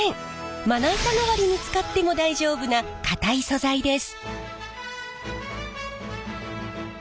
まな板代わりに使っても大丈夫な硬い素材です！